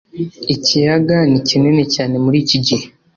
ikiyaga ni kinini cyane muri iki gihe